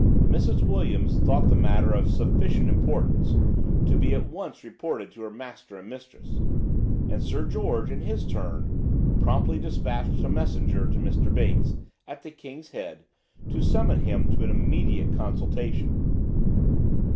Mrs. Williams thought the matter of sufficient importance to be at once reported to her master and mistress; and Sir George, in his turn, promptly dispatched a messenger to Mr. Bates, at the "King's Head," to summon him to an immediate consultation.